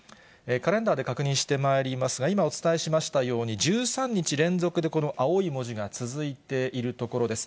カレンダーで確認してまいりますが、今、お伝えしましたように、１３日連続でこの青い文字が続いているところです。